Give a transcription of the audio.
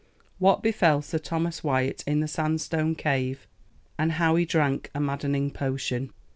What befell Sir Thomas Wyat in the Sandstone Cave And how he drank a maddening Potion.